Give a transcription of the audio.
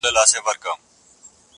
بخت دي تور عقل کوټه دی خدای لیدلی-